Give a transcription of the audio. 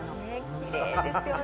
きれいですよね。